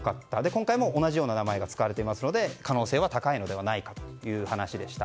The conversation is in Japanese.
今回も同じような名前が使われていますので可能性は高いのではないかという話でした。